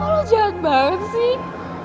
lo jahat banget sih